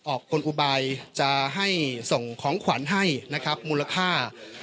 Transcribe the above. ออกกฎอุบัยจะให้ส่งของขวัญให้มูลค่า